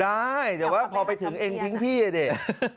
ได้เดี๋ยวว่าพอไปถึงเองทิ้งพี่เลย